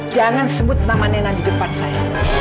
jangan sebut nama nenan di depan saya